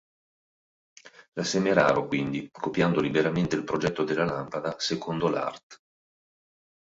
La Semeraro, quindi, copiando liberamente il progetto della lampada, secondo l'art.